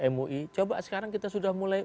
mui coba sekarang kita sudah mulai